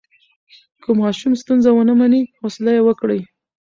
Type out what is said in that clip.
که ماشوم ستونزه ونه مني، حوصله یې وکړئ.